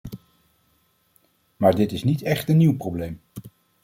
Maar dit is niet echt een nieuw probleem.